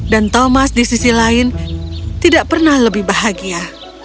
dan thomas di sisi lain tidak pernah lebih bahagia